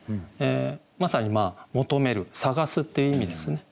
まさに「求める」「さがす」っていう意味ですね。